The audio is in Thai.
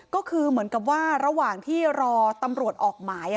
ก็คือเหมือนกับว่าระหว่างที่รอตำรวจออกหมาย